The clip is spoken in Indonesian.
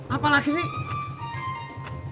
apa lagi sih